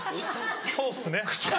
そうっすね。